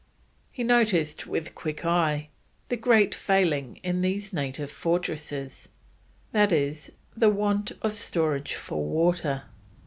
He noticed, with quick eye, the great failing in these native fortresses, that is, the want of storage for water.